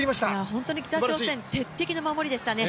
本当に北朝鮮、鉄壁の守りでしたね。